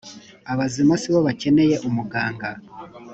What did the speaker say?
abazima si bo bakeneye umuganga